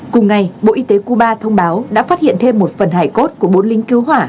cùng ngày bộ y tế cuba thông báo đã phát hiện thêm một phần hải cốt của bốn lính cứu hỏa